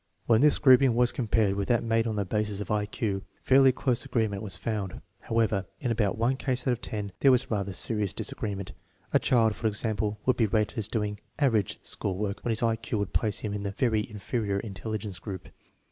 When this grouping was compared with that made on the basis of I Q, fairly close agreement was found. However, in about one case out of ten there was rather serious disagreement; a child, for example, would be rated as doing average school work when his I Q would place him in the very inferior intelligence group.